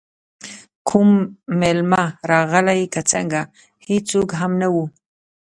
کوم میلمه راغلی که څنګه، خو هېڅوک هم نه وو.